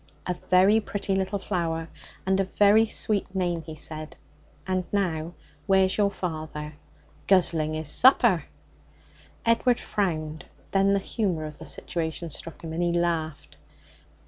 'A very pretty little flower, and a very sweet name,' he said, 'And now, where's your father?' 'Guzzling his supper.' Edward frowned. Then the humour of the situation struck him, and he laughed.